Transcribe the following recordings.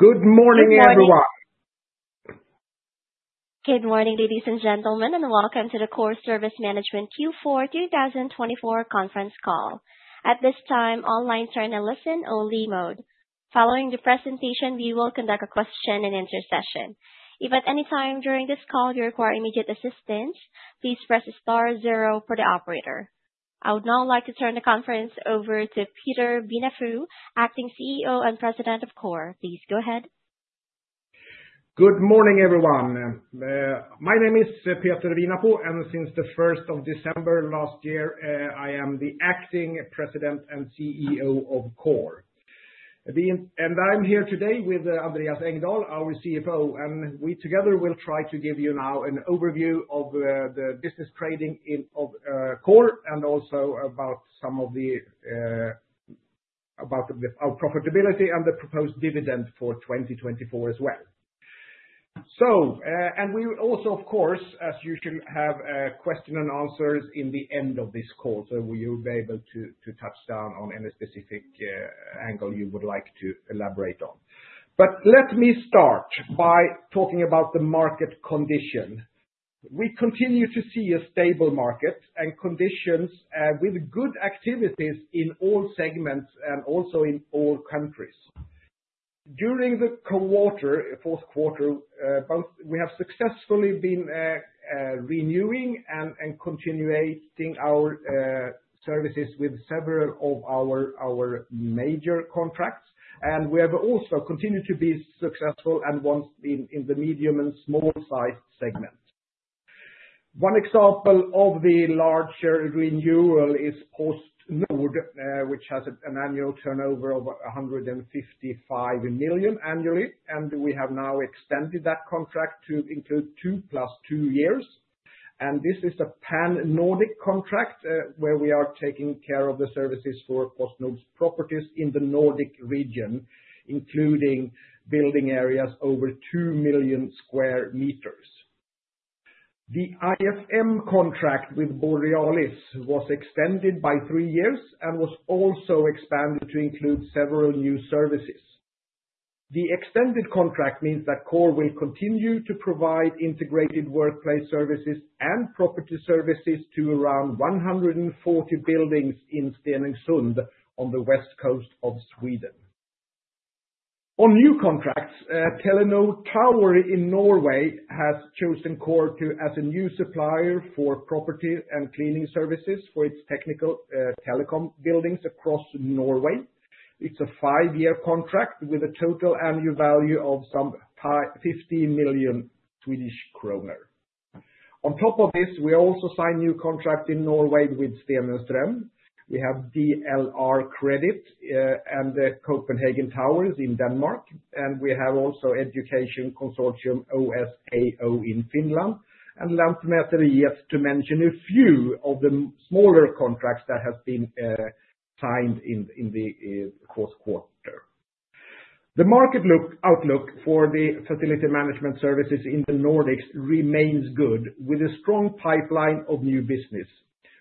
Good morning, everyone. Good morning, ladies and gentlemen, and welcome to the Coor Service Management Q4 2024 conference call. At this time, all lines are in a listen-only mode. Following the presentation, we will conduct a question-and-answer session. If at any time during this call you require immediate assistance, please press star zero for the operator. I would now like to turn the conference over to Peter Viinapuu, Acting CEO and President of Coor. Please go ahead. Good morning, everyone. My name is Peter Viinapuu, and since the 1st of December last year, I am the Acting President and CEO of Coor. And I'm here today with Andreas Engdahl, our CFO, and we together will try to give you now an overview of the business trading of Coor and also about some of the profitability and the proposed dividend for 2024 as well. And we also, of course, as usual, have questions and answers in the end of this call, so you'll be able to touch down on any specific angle you would like to elaborate on. But let me start by talking about the market condition. We continue to see a stable market and conditions with good activities in all segments and also in all countries. During the Q4, we have successfully been renewing and continuating our services with several of our major contracts, and we have also continued to be successful and want in the medium and small-sized segment. One example of the larger renewal is PostNord, which has an annual turnover of 155 million annually, and we have now extended that contract to include two plus two years. This is a pan-Nordic contract where we are taking care of the services for PostNord's properties in the Nordic region, including building areas over 2 million sq m. The IFM contract with Borealis was extended by three years and was also expanded to include several new services. The extended contract means that Coor will continue to provide integrated workplace services and property services to around 140 buildings in Stenungsund on the west coast of Sweden. On new contracts, Telenor Towers in Norway has chosen Coor as a new supplier for property and cleaning services for its technical telecom buildings across Norway. It's a five-year contract with a total annual value of some 15 million Swedish kronor. On top of this, we also signed a new contract in Norway with Stenungsund. We have DLR Kredit and the Copenhagen Towers in Denmark, and we have also Educational Consortium OSAO in Finland. And last, but not least, to mention a few of the smaller contracts that have been signed in the Q4. The market outlook for the facility management services in the Nordics remains good, with a strong pipeline of new business.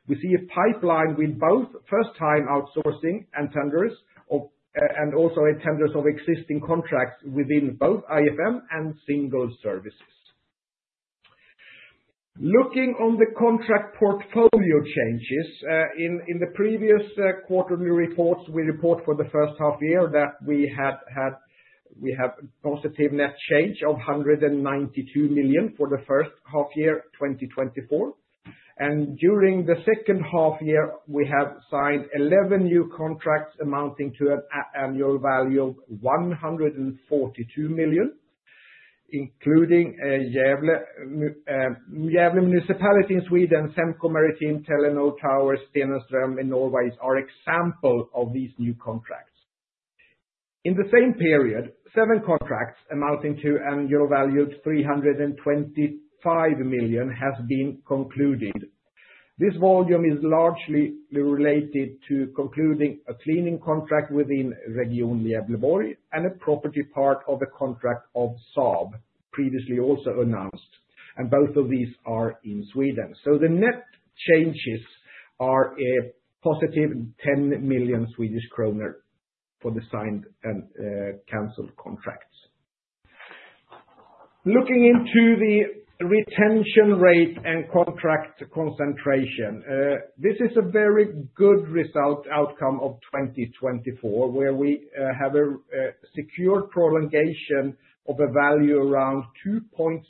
We see a pipeline with both first-time outsourcing and tenders, and also tenders of existing contracts within both IFM and single services. Looking on the contract portfolio changes, in the previous quarterly reports, we report for the first half year that we have a positive net change of 192 million for the first half year 2024. During the second half year, we have signed 11 new contracts amounting to an annual value of 142 million, including Gävle Municipality in Sweden, Semco Maritime, Telenor Towers, Stenungsund in Sweden are examples of these new contracts. In the same period, seven contracts amounting to an annual value of SEK 325 million have been concluded. This volume is largely related to concluding a cleaning contract within Region Gävleborg and a property part of a contract of Saab, previously also announced, and both of these are in Sweden. The net changes are a positive 10 million Swedish kronor for the signed and canceled contracts. Looking into the retention rate and contract concentration, this is a very good result outcome of 2024, where we have a secure prolongation of a value around 2.6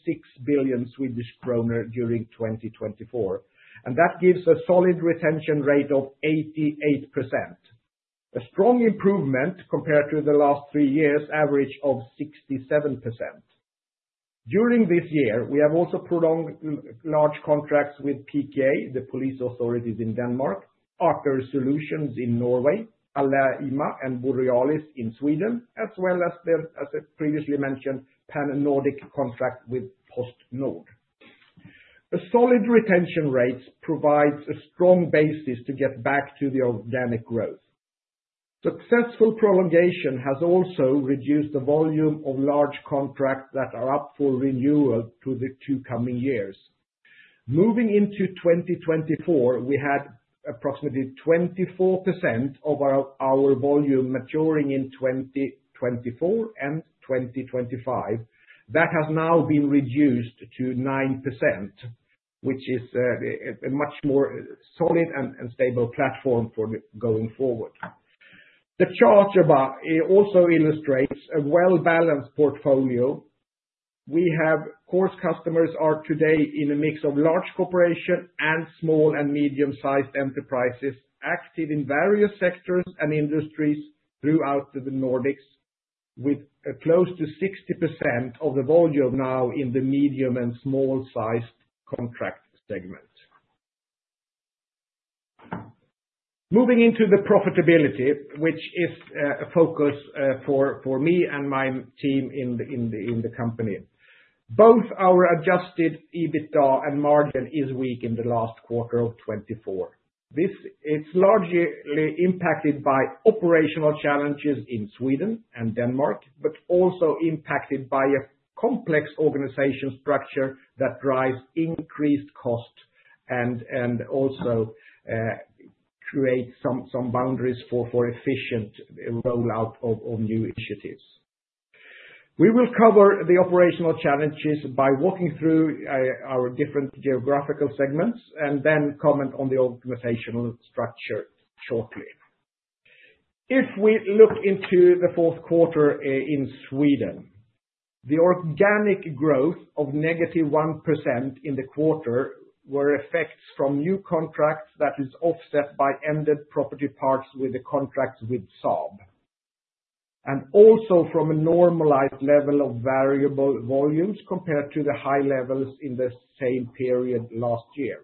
billion Swedish kronor during 2024. That gives a solid retention rate of 88%, a strong improvement compared to the last three years' average of 67%. During this year, we have also prolonged large contracts with PK, the police authorities in Denmark, Aker Solutions in Norway, Alleima and Borealis in Sweden, as well as the previously mentioned pan-Nordic contract with PostNord. The solid retention rates provide a strong basis to get back to the organic growth. Successful prolongation has also reduced the volume of large contracts that are up for renewal to the two coming years. Moving into 2024, we had approximately 24% of our volume maturing in 2024 and 2025. That has now been reduced to 9%, which is a much more solid and stable platform for going forward. The chart also illustrates a well-balanced portfolio. We have Coor customers today in a mix of large corporations and small and medium-sized enterprises active in various sectors and industries throughout the Nordics, with close to 60% of the volume now in the medium and small-sized contract segment. Moving into the profitability, which is a focus for me and my team in the company. Both our adjusted EBITDA and margin are weak in the last quarter of 2024. It's largely impacted by operational challenges in Sweden and Denmark, but also impacted by a complex organization structure that drives increased costs and also creates some boundaries for efficient rollout of new initiatives. We will cover the operational challenges by walking through our different geographical segments and then comment on the organizational structure shortly. If we look into the Q4 in Sweden, the organic growth of negative 1% in the quarter was affected from new contracts that were offset by ended property parts with the contracts with Saab, and also from a normalized level of variable volumes compared to the high levels in the same period last year.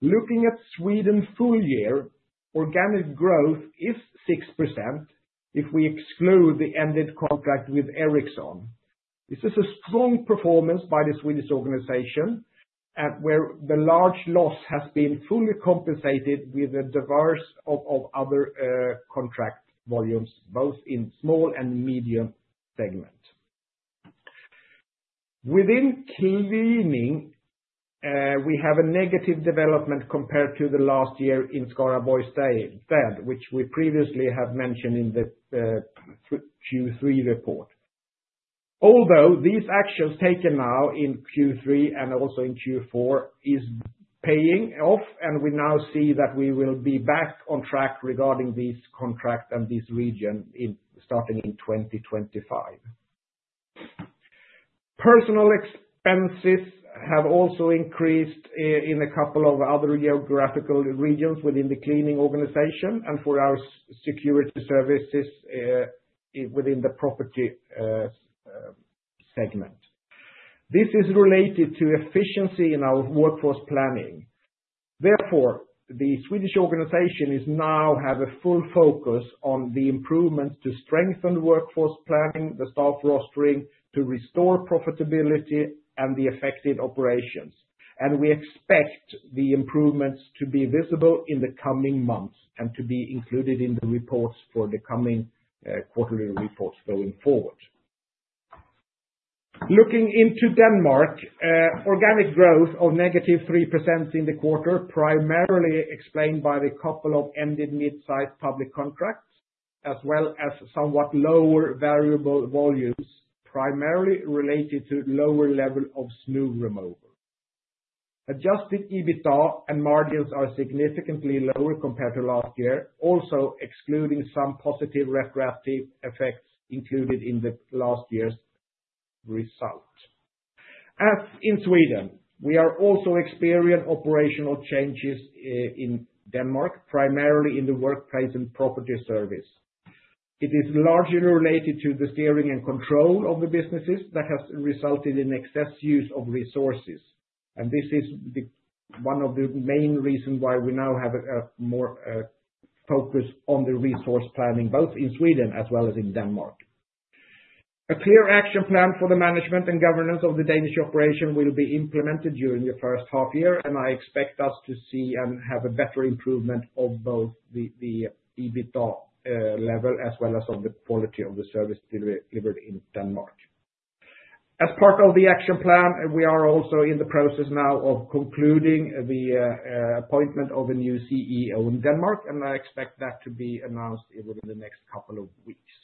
Looking at Sweden full year, organic growth is 6% if we exclude the ended contract with Ericsson. This is a strong performance by the Swedish organization, where the large loss has been fully compensated with the surge of other contract volumes, both in small and medium segment. Within cleaning, we have a negative development compared to the last year in Skaraborg Hospital, which we previously have mentioned in the Q3 report. Although these actions taken now in Q3 and also in Q4 are paying off, and we now see that we will be back on track regarding these contracts and this region starting in 2025. Personnel expenses have also increased in a couple of other geographical regions within the cleaning organization and for our security services within the property segment. This is related to inefficiency in our workforce planning. Therefore, the Swedish organization now has a full focus on the improvements to strengthen workforce planning, the staff rostering to restore profitability, and the affected operations, and we expect the improvements to be visible in the coming months and to be included in the reports for the coming quarterly reports going forward. Looking into Denmark, organic growth of negative 3% in the quarter is primarily explained by the couple of ended mid-sized public contracts, as well as somewhat lower variable volumes, primarily related to lower level of snow removal. Adjusted EBITDA and margins are significantly lower compared to last year, also excluding some positive retroactive effects included in the last year's result. As in Sweden, we are also experiencing operational changes in Denmark, primarily in the workplace and property service. It is largely related to the steering and control of the businesses that has resulted in excess use of resources, and this is one of the main reasons why we now have a more focus on the resource planning, both in Sweden as well as in Denmark. A clear action plan for the management and governance of the Danish operation will be implemented during the first half year, and I expect us to see and have a better improvement of both the EBITDA level as well as the quality of the service delivered in Denmark. As part of the action plan, we are also in the process now of concluding the appointment of a new CEO in Denmark, and I expect that to be announced within the next couple of weeks.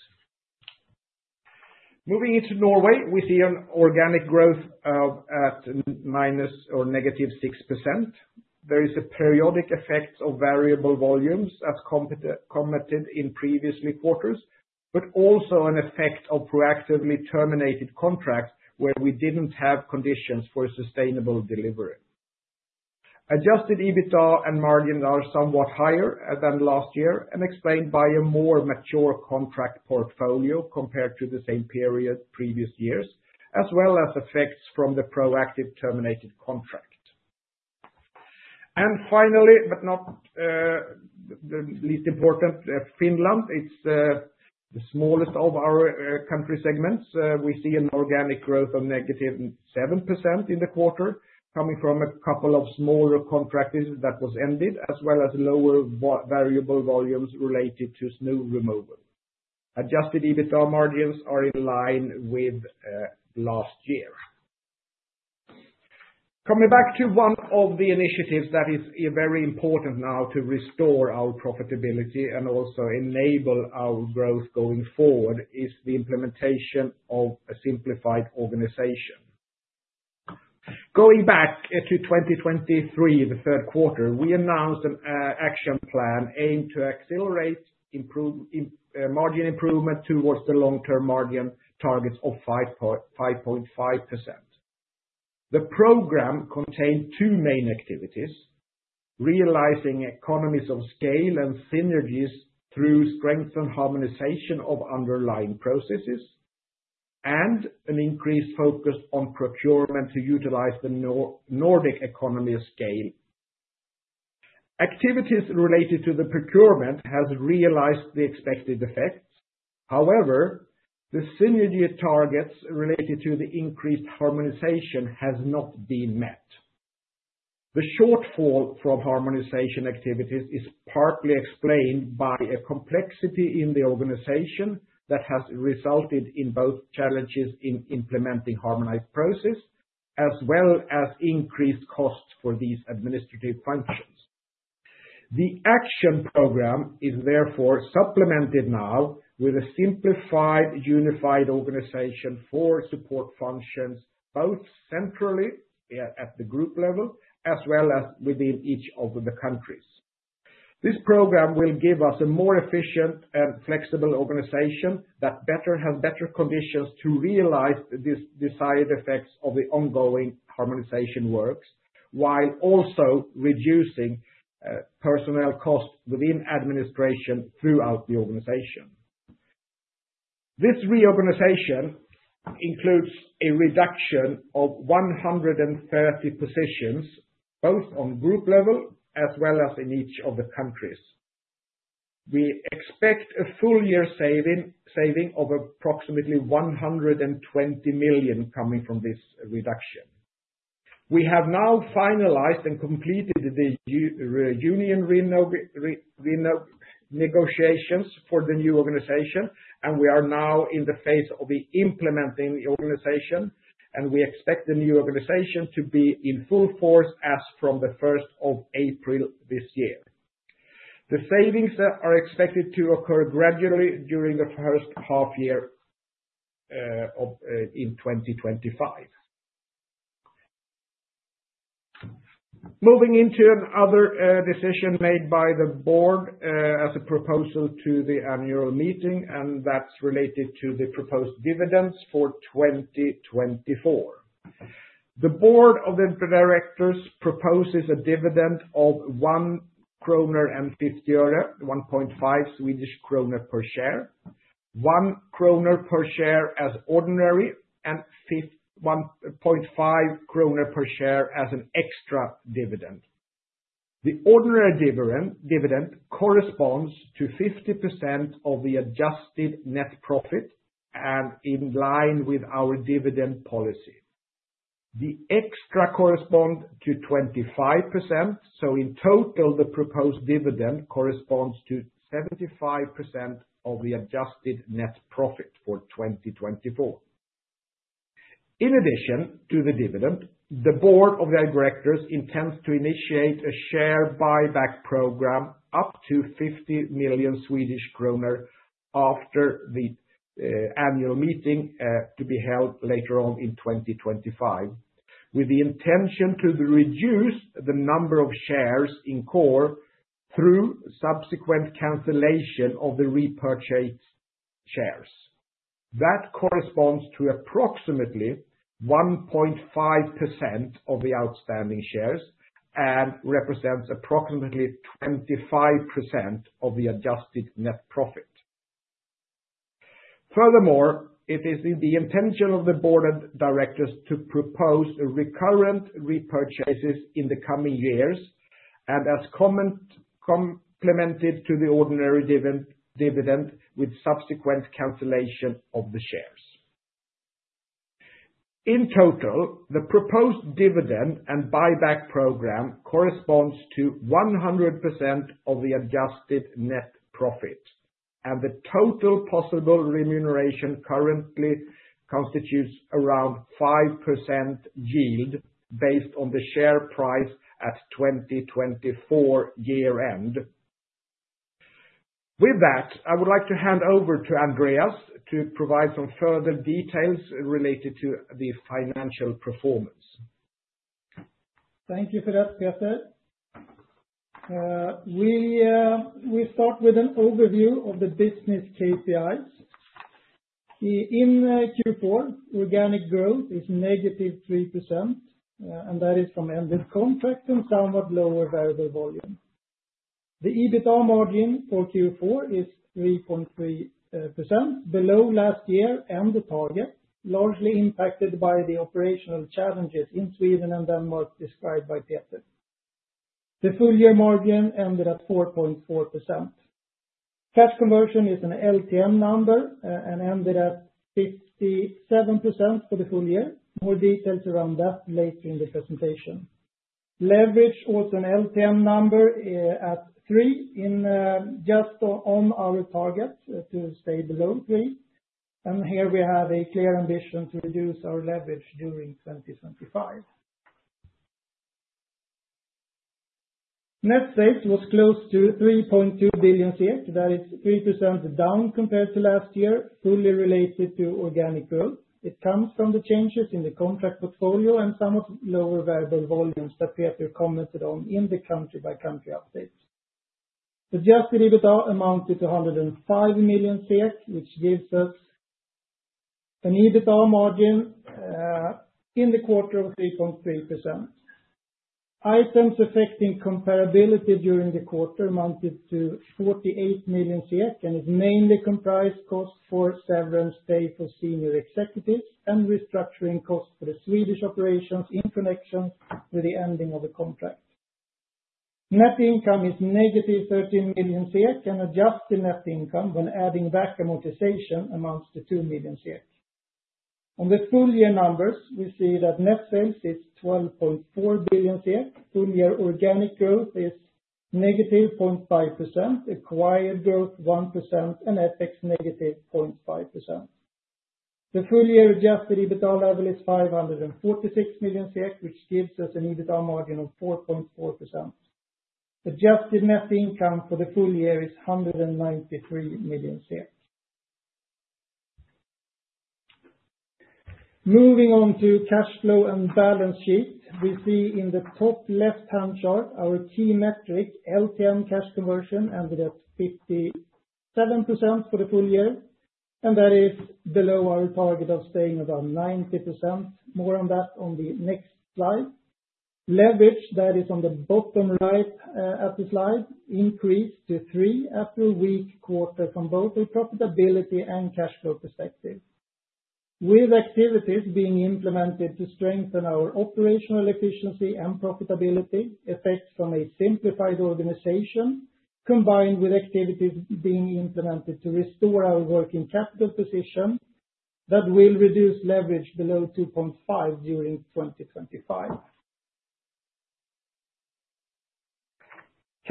Moving into Norway, we see an organic growth at -6%. There is a periodic effect of variable volumes as committed in previous quarters, but also an effect of proactively terminated contracts where we didn't have conditions for sustainable delivery. Adjusted EBITDA and margins are somewhat higher than last year and explained by a more mature contract portfolio compared to the same period previous years, as well as effects from the proactive terminated contract. Finally, but not least important, Finland, it's the smallest of our country segments. We see an organic growth of -7% in the quarter coming from a couple of smaller contracts that were ended, as well as lower variable volumes related to snow removal. Adjusted EBITDA margins are in line with last year. Coming back to one of the initiatives that is very important now to restore our profitability and also enable our growth going forward is the implementation of a simplified organization. Going back to 2023, the Q3, we announced an action plan aimed to accelerate margin improvement towards the long-term margin targets of 5.5%. The program contained two main activities: realizing economies of scale and synergies through strength and harmonization of underlying processes, and an increased focus on procurement to utilize the Nordic economy scale. Activities related to the procurement have realized the expected effects. However, the synergy targets related to the increased harmonization have not been met. The shortfall from harmonization activities is partly explained by a complexity in the organization that has resulted in both challenges in implementing harmonized processes as well as increased costs for these administrative functions. The action program is therefore supplemented now with a simplified unified organization for support functions, both centrally at the group level as well as within each of the countries. This program will give us a more efficient and flexible organization that has better conditions to realize the side effects of the ongoing harmonization works, while also reducing personnel costs within administration throughout the organization. This reorganization includes a reduction of 130 positions, both on group level as well as in each of the countries. We expect a full year saving of approximately 120 million SEK coming from this reduction. We have now finalized and completed the union renegotiations for the new organization, and we are now in the phase of implementing the organization, and we expect the new organization to be in full force as from the 1st of April this year. The savings are expected to occur gradually during the first half year in 2025. Moving into another decision made by the board as a proposal to the annual meeting, and that's related to the proposed dividends for 2024. The Board of Directors proposes a dividend of SEK 1.50, 1.5 Swedish kronor per share, 1 kronor per share as ordinary, and 1.5 kronor per share as an extra dividend. The ordinary dividend corresponds to 50% of the adjusted net profit and in line with our dividend policy. The extra corresponds to 25%, so in total, the proposed dividend corresponds to 75% of the adjusted net profit for 2024. In addition to the dividend, the Board of Directors intends to initiate a share buyback program up to 50 million Swedish kronor after the annual meeting to be held later on in 2025, with the intention to reduce the number of shares in Coor through subsequent cancellation of the repurchased shares. That corresponds to approximately 1.5% of the outstanding shares and represents approximately 25% of the adjusted net profit. Furthermore, it is in the intention of the board of directors to propose recurrent repurchases in the coming years and as complemented to the ordinary dividend with subsequent cancellation of the shares. In total, the proposed dividend and buyback program corresponds to 100% of the adjusted net profit, and the total possible remuneration currently constitutes around 5% yield based on the share price at 2024 year-end. With that, I would like to hand over to Andreas to provide some further details related to the financial performance. Thank you for that, Peter. We start with an overview of the business KPIs. In Q4, organic growth is negative 3%, and that is from ended contracts and somewhat lower variable volume. The EBITDA margin for Q4 is 3.3%, below last year and the target, largely impacted by the operational challenges in Sweden and Denmark described by Peter. The full year margin ended at 4.4%. Cash conversion is an LTM number and ended at 57% for the full year. More details around that later in the presentation. Leverage also an LTM number at 3, just on our target to stay below 3. And here we have a clear ambition to reduce our leverage during 2025. Net sales was close to 3.2 billion SEK, that is 3% down compared to last year, fully related to organic growth. It comes from the changes in the contract portfolio and somewhat lower variable volumes that Peter commented on in the country-by-country update. Adjusted EBITDA amounted to 105 million SEK, which gives us an EBITDA margin in the quarter of 3.3%. Items affecting comparability during the quarter amounted to 48 million SEK and is mainly comprised of costs for severance pay for senior executives and restructuring costs for the Swedish operations in connection with the ending of the contract. Net income is negative 13 million SEK, and adjusted net income when adding back amortization amounts to 2 million SEK. On the full year numbers, we see that net sales is 12.4 billion SEK. Full year organic growth is negative 0.5%, acquired growth 1%, and FX negative 0.5%. The full year adjusted EBITDA level is 546 million SEK, which gives us an EBITDA margin of 4.4%. Adjusted net income for the full year is 193 million. Moving on to cash flow and balance sheet, we see in the top left-hand chart our key metric, LTM cash conversion, ended at 57% for the full year, and that is below our target of staying around 90%. More on that on the next slide. Leverage, that is on the bottom right of the slide, increased to 3 after a weak quarter from both a profitability and cash flow perspective. With activities being implemented to strengthen our operational efficiency and profitability, effects from a simplified organization combined with activities being implemented to restore our working capital position that will reduce leverage below 2.5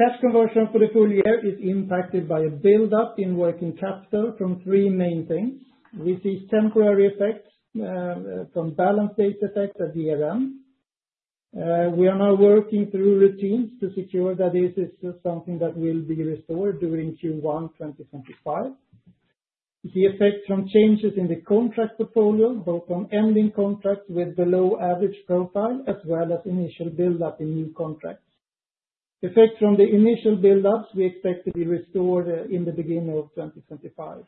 during 2025. Cash conversion for the full year is impacted by a build-up in working capital from three main things. We see temporary effects from balance sheet effects at year-end. We are now working through routines to secure that this is something that will be restored during Q1 2025. The effect from changes in the contract portfolio, both on ending contracts with below average profile as well as initial build-up in new contracts. Effect from the initial build-ups we expect to be restored in the beginning of 2025,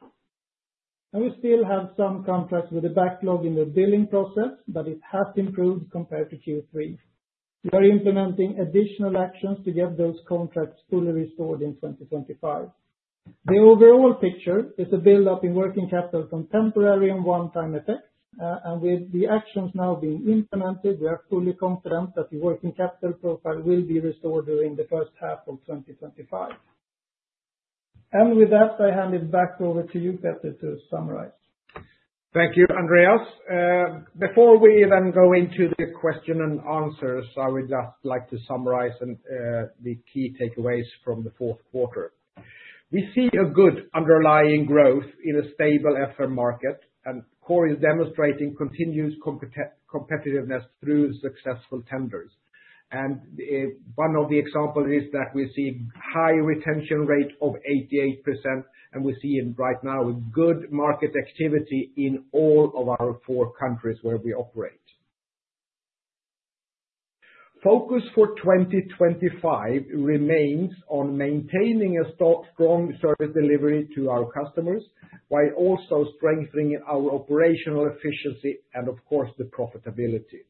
and we still have some contracts with a backlog in the billing process, but it has improved compared to Q3. We are implementing additional actions to get those contracts fully restored in 2025. The overall picture is a build-up in working capital from temporary and one-time effects, and with the actions now being implemented, we are fully confident that the working capital profile will be restored during the first half of 2025, and with that, I hand it back over to you, Peter, to summarize. Thank you, Andreas. Before we then go into the question and answers, I would just like to summarize the key takeaways from the Q4. We see a good underlying growth in a stable FM market, and Coor is demonstrating continuous competitiveness through successful tenders. And one of the examples is that we see a high retention rate of 88%, and we see right now a good market activity in all of our four countries where we operate. Focus for 2025 remains on maintaining a strong service delivery to our customers while also strengthening our operational efficiency and, of course, the profitability.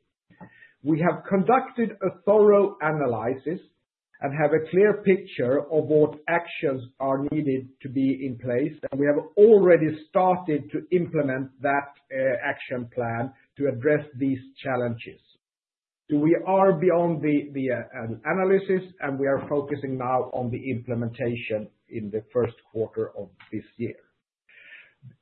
We have conducted a thorough analysis and have a clear picture of what actions are needed to be in place, and we have already started to implement that action plan to address these challenges. So we are beyond the analysis, and we are focusing now on the implementation in the Q1 of this year.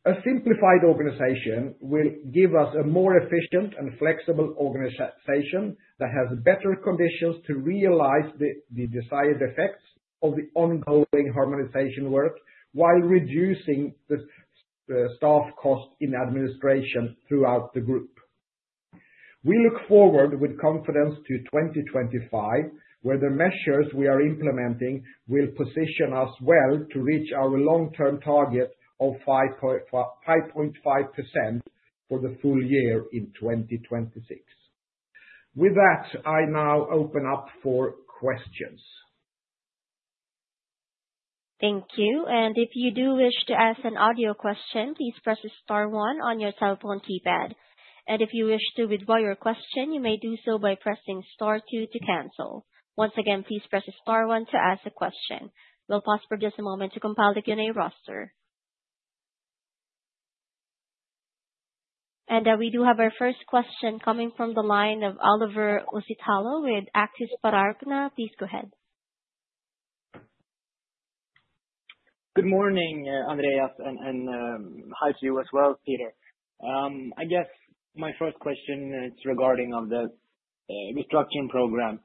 A simplified organization will give us a more efficient and flexible organization that has better conditions to realize the desired effects of the ongoing harmonization work while reducing the staff cost in administration throughout the group. We look forward with confidence to 2025, where the measures we are implementing will position us well to reach our long-term target of 5.5% for the full year in 2026. With that, I now open up for questions. Thank you. And if you do wish to ask an audio question, please press the star one on your cell phone keypad. And if you wish to withdraw your question, you may do so by pressing star two to cancel. Once again, please press the star one to ask a question. We'll pause for just a moment to compile the Q&A roster. And we do have our first question coming from the line of Oliver Uusitalo with Aktiespararna. Please go ahead. Good morning, Andreas, and hi to you as well, Peter. I guess my first question is regarding the restructuring program.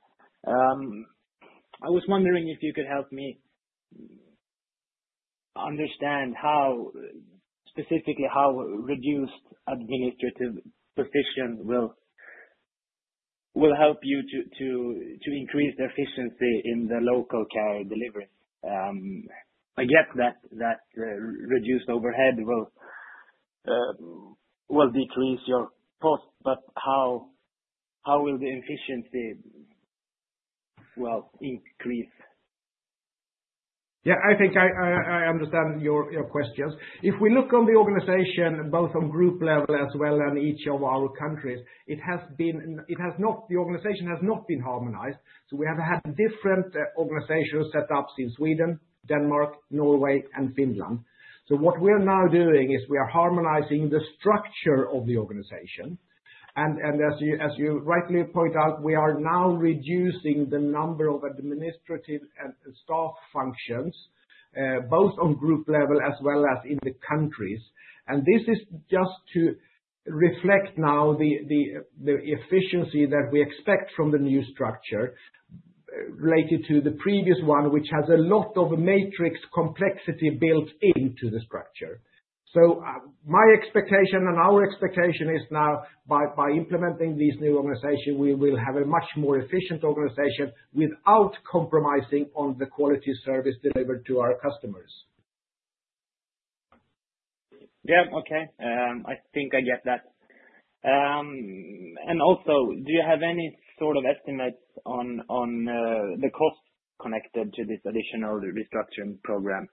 I was wondering if you could help me understand how, specifically, how reduced administrative overhead will help you to increase efficiency in the local service delivery. I guess that reduced overhead will decrease your cost, but how will the efficiency increase? Yeah, I think I understand your questions. If we look on the organization, both on group level as well as in each of our countries, it has not. The organization has not been harmonized. So we have had different organizations set up in Sweden, Denmark, Norway, and Finland. So what we are now doing is we are harmonizing the structure of the organization. And as you rightly point out, we are now reducing the number of administrative and staff functions, both on group level as well as in the countries. And this is just to reflect now the efficiency that we expect from the new structure related to the previous one, which has a lot of matrix complexity built into the structure. So my expectation and our expectation is now, by implementing this new organization, we will have a much more efficient organization without compromising on the quality service delivered to our customers. Yeah, okay. I think I get that. And also, do you have any sort of estimates on the cost connected to this additional restructuring program?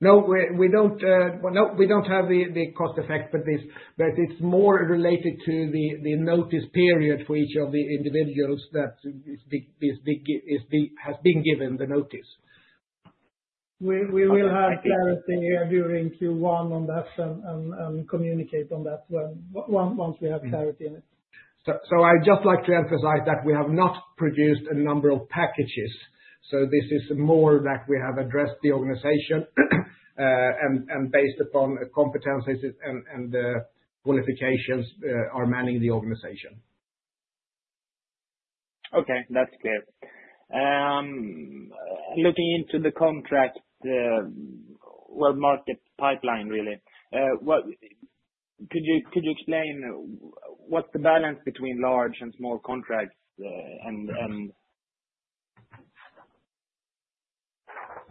No, we don't have the cost effect, but it's more related to the notice period for each of the individuals that has been given the notice. We will have clarity here during Q1 on that and communicate on that once we have clarity in it. I'd just like to emphasize that we have not produced a number of packages. This is more that we have addressed the organization and based upon competencies and qualifications are manning the organization. Okay, that's clear. Looking into the contract, well, market pipeline, really, could you explain what's the balance between large and small contracts and?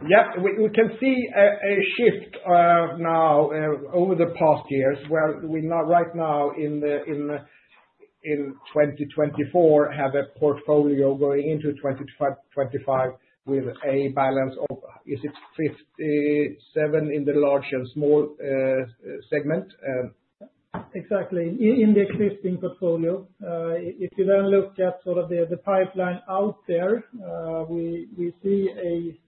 Yeah, we can see a shift now over the past years where we now, right now in 2024, have a portfolio going into 2025 with a balance of, is it 57 in the large and small segment? Exactly, in the existing portfolio. If you then look at sort of the pipeline out there, we see a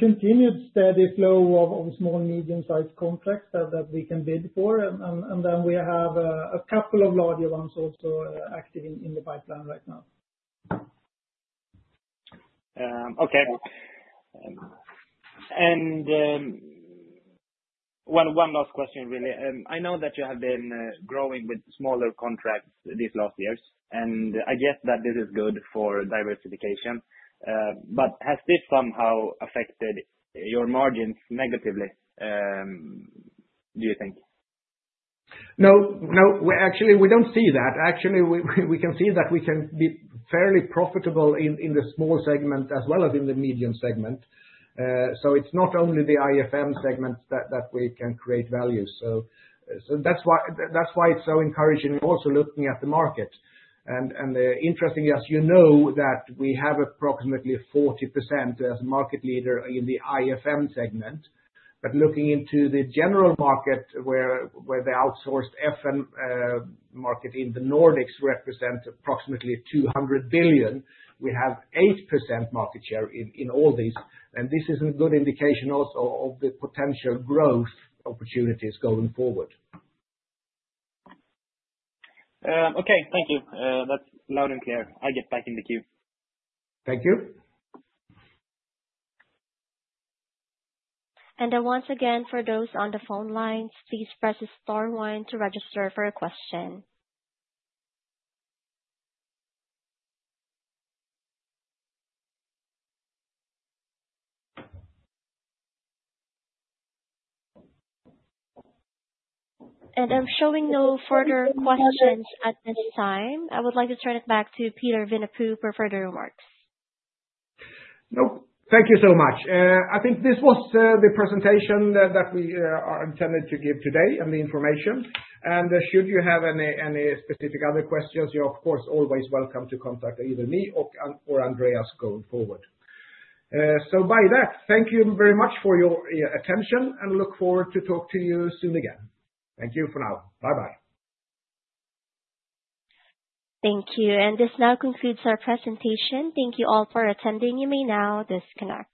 continued steady flow of small, medium-sized contracts that we can bid for. And then we have a couple of larger ones also active in the pipeline right now. Okay. And one last question, really. I know that you have been growing with smaller contracts these last years, and I guess that this is good for diversification. But has this somehow affected your margins negatively, do you think? No, no, actually, we don't see that. Actually, we can see that we can be fairly profitable in the small segment as well as in the medium segment. So it's not only the IFM segment that we can create value. So that's why it's so encouraging also looking at the market. And interestingly, as you know, that we have approximately 40% as a market leader in the IFM segment. But looking into the general market, where the outsourced FM market in the Nordics represents approximately 200 billion, we have 8% market share in all these. And this is a good indication also of the potential growth opportunities going forward. Okay, thank you. That's loud and clear. I get back in the queue. Thank you. Once again, for those on the phone lines, please press the star one to register for a question. I'm showing no further questions at this time. I would like to turn it back to Peter Viinapuu for further remarks. No, thank you so much. I think this was the presentation that we intended to give today and the information. And should you have any specific other questions, you're, of course, always welcome to contact either me or Andreas going forward. So by that, thank you very much for your attention, and look forward to talking to you soon again. Thank you for now. Bye-bye. Thank you. And this now concludes our presentation. Thank you all for attending. You may now disconnect.